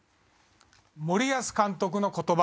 森保監督の言葉。